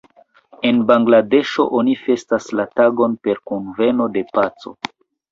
En Bangladeŝo oni festas la tagon per Kunveno de Paco.